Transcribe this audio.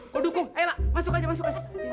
gue dukung ayo mak masuk aja masuk